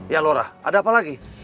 ya lurah ada apa lagi